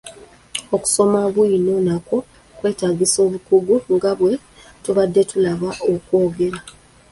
Okusoma bwiino nakwo kwetaagisa obukugu nga bwe tubadde tulaba okwogera.